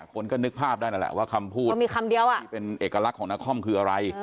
คนก็นึกภาพได้นั่นแหละว่าคำพูดมีคำเดียวอ่ะที่เป็นเอกลักษณ์ของนครคืออะไร